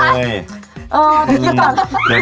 เออถึงพูดต่อ